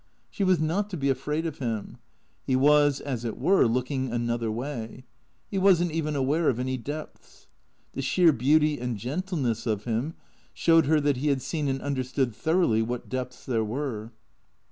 She was not to be afraid of him; he was, as it were, looking another way; he was n't even aware of any depths. The sheer beauty and gen tleness of him showed her that he had seen and understood thoroughly what depths there were.